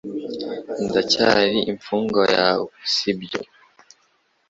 Ndacyari imfungwa yawe sibyo